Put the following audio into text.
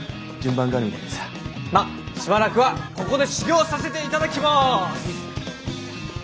まあしばらくはここで修業させて頂きます。